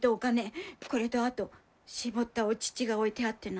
これとあと搾ったお乳が置いてあってな。